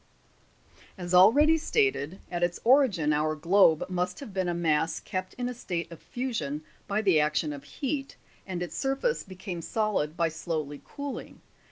12. As already stated, at its origin our globe must have been a mass kept in a state of fusion by the action of heat, and its surface became solid by slowly cooling.